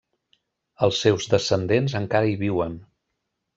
Els seus descendents encara hi viuen.